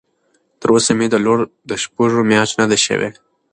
تر اوسه مې لور د شپږ مياشتو نه ده شوى.